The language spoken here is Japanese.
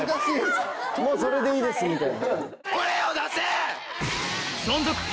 もうそれでいいですみたいな。